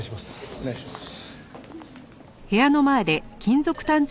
お願いします。